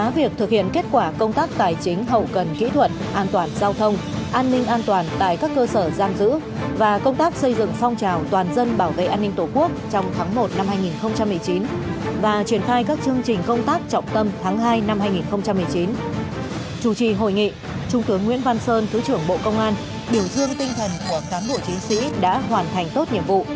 biểu dương tinh thần của tám đội chiến sĩ đã hoàn thành tốt nhiệm vụ